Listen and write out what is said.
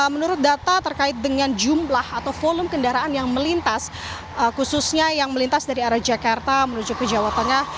menurut data terkait dengan jumlah atau volume kendaraan yang melintas khususnya yang melintas dari arah jakarta menuju ke jawa tengah